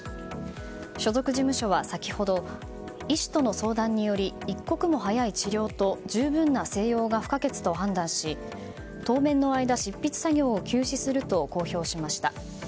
所属事務所は先ほど医師との相談により一刻も早い治療と十分な静養が不可欠と判断し当面の間、執筆作業を休止すると公表しました。